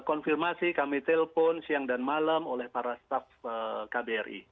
konfirmasi kami telpon siang dan malam oleh para staff kbri